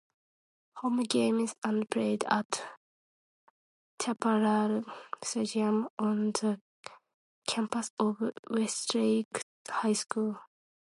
Home games are played at Chaparral Stadium on the campus of Westlake High School.